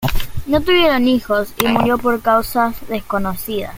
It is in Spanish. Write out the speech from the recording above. No tuvieron hijos y murió por causas desconocidas.